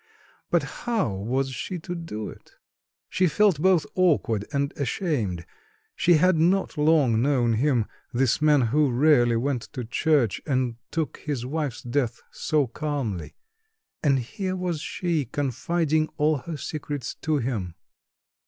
But how was she to do it? She felt both awkward and ashamed. She had not long known him, this man who rarely went to church, and took his wife's death so calmly and here was she, confiding al her secrets to him....